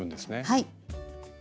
はい。